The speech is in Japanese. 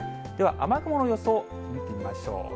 では、雨雲の予想見てみましょう。